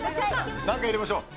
なんか入れましょう。